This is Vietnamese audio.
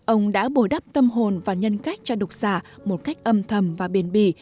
ông đã bồi đắp tâm hồn và nhân cách cho đọc giả một cách âm thầm và bền bì